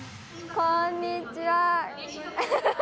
こんにちは。